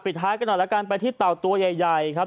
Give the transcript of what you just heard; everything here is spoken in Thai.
ท้ายกันหน่อยแล้วกันไปที่เต่าตัวใหญ่ครับ